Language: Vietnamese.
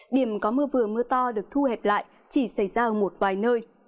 điểm có mưa vừa mưa to được thu hẹp lại chỉ xảy ra ở một vài nơi